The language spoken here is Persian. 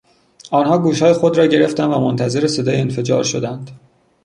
آنها گوشهای خود را گرفتند و منتظر صدای انفجار شدند.